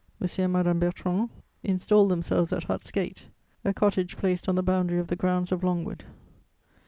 and Madame Bertrand installed themselves at Hut's Gate, a cottage placed on the boundary of the grounds of Longwood.